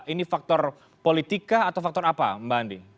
ini faktor politika atau faktor apa mbak andi